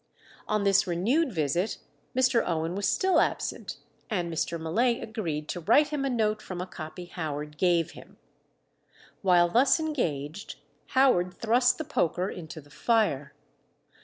On this renewed visit Mr. Owen was still absent, and Mr. Mullay agreed to write him a note from a copy Howard gave him. While thus engaged, Howard thrust the poker into the fire.